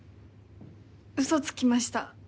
嘘つきました。